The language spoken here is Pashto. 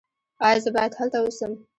ایا زه باید هلته اوسم؟